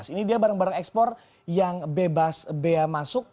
ini dia barang barang ekspor yang bebas bea masuk